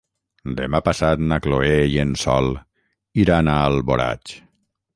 Demà passat na Chloé i en Sol iran a Alboraig.